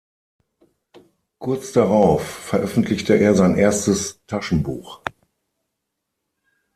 Kurz darauf veröffentlichte er sein erstes Taschenbuch.